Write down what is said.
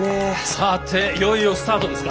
さていよいよスタートですか。